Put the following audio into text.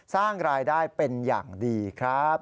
สร้างรายได้เป็นอย่างดีครับ